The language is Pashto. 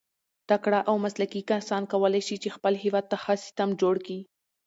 تکړه او مسلکي کسان کولای سي، چي خپل هېواد ته ښه سیسټم جوړ کي.